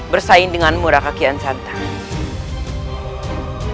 bersaing denganmu raih kekian santang